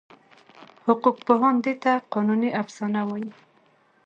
حقوقپوهان دې ته قانوني افسانه وایي.